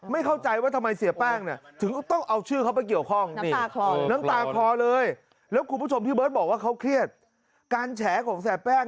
ไม่เข้าใจว่าทำไมเสียแป้งเนี่ยถึงก็ต้องเอาชื่อเขาไปเกี่ยวข้อง